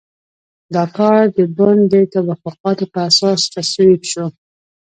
دا کار د بن د توافقاتو په اساس تصویب شو.